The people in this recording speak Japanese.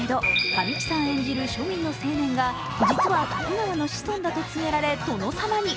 神木さん演じる庶民の青年が実は徳川の子孫だと告げられ殿様に。